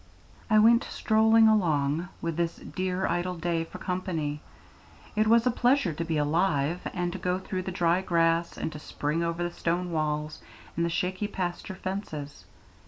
I went strolling along, with this dear idle day for company; it was a pleasure to be alive, and to go through the dry grass, and to spring over the stone walls and the shaky pasture fences.